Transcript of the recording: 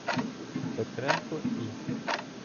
Петренко І.